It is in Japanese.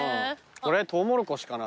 これトウモロコシかな？